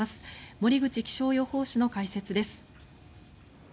森口気象予報士の解説です。